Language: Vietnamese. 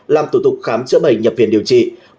làm thủ tục khám chữa bệnh nhập viện điều trị